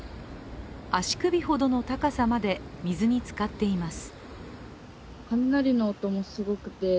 足首ほどの高さまで水につかっています。